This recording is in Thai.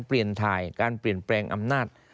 เปลี่ยนถ่ายการเปลี่ยนแปลงอำนาจ